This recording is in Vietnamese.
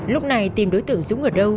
lúc này tìm đối tượng dũng ở đâu